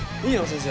先生。